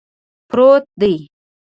پروت دی